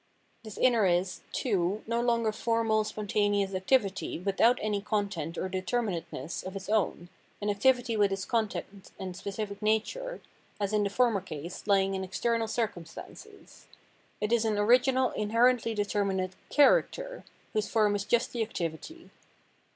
This inner is, too, no longer formal, spontaneous activity without any content or determinateness of its own, an activity with its content and specific nature, as in the former case, lying in external circumstances ; it is an origiaal inherently determinate Character, whose form is just the activity.